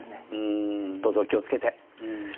どうぞお気を付けて。